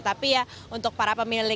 tapi ya untuk para pemilik ojol ya